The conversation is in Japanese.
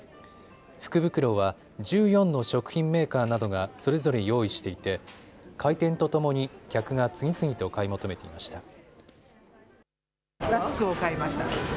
福袋は１４の食品メーカーなどがそれぞれ用意していて開店とともに客が次々と買い求めていました。